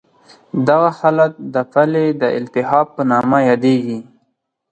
دغه حالت د پلې د التهاب په نامه یادېږي.